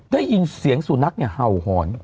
ได้ยินเสียงสุนักเนี่ยเห่าหอน